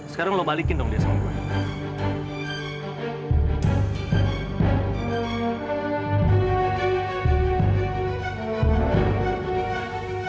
sekarang lu balikin dong dia sama gua